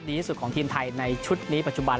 ดีที่สุดของทีมไทยในชุดนี้ปัจจุบัน